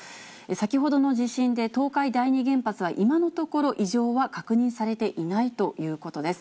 先ほどの地震で、東海第二原発は今のところ、異常は確認されていないということです。